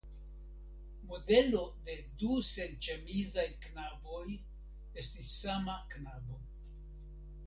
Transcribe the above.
Modelo de du senĉemizaj knaboj estis sama knabo.